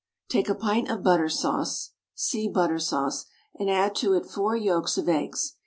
Take a pint of butter sauce (see BUTTER SAUCE) and add to it four yolks of eggs.